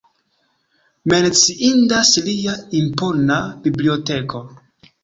Menciindas lia impona biblioteko.